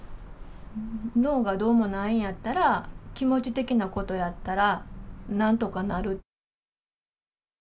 脳がどうもないんやったら、気持ち的なことやったら、なんとかなる。